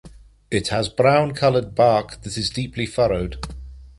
It has dark brown coloured bark that is deeply furrowed.